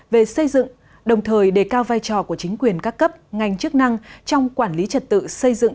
về xây dựng đồng thời đề cao vai trò của chính quyền các cấp ngành chức năng trong quản lý trật tự xây dựng